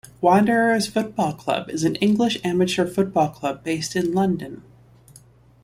Wanderers Football Club is an English amateur football club based in London.